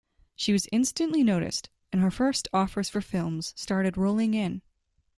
She was instantly noticed, and her first offers for films started rolling in.